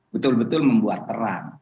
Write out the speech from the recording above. betul betul membuat terang